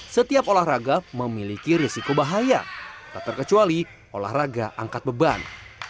setiap olahraga memiliki risiko bahaya tak terkecuali olahraga angkat beban